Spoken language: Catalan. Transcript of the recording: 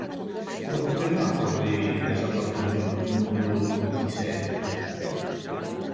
Com puc anar al carrer de Sant Bartomeu número vint-i-set?